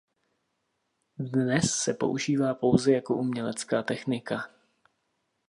Dnes se používá pouze jako umělecká technika.